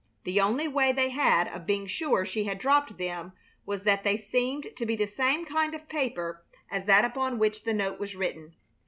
The only way they had of being sure she had dropped them was that they seemed to be the same kind of paper as that upon which the note was written.